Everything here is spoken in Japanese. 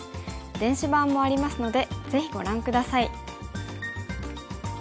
電子版もありますのでぜひご覧下さい。